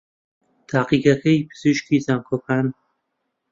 تاقیگەکەی پزیشکیی زانکۆکان